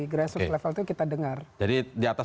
grassroot level itu kita dengar jadi di atas